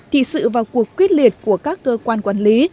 thì sự vào cuộc quyết liệt của các cơ quan quản lý